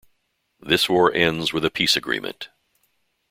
This war ends with a peace agreement.